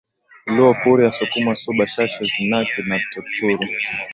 Luo Kuria Sukuma Suba Shashi Zanaki na Taturu